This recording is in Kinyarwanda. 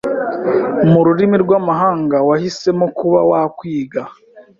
mu rurimi rw’amahanga wahisemo kuba wakwiga